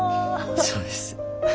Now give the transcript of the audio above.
そうです。